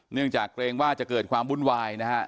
เนื่องจากเกรงว่าจะเกิดความวุ่นวายนะฮะ